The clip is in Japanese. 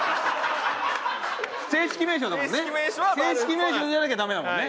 正式名称じゃなきゃダメだもんね。